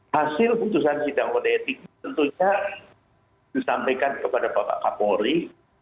hasil putusan sidang kode etik tentunya disampaikan kepada bapak kapolri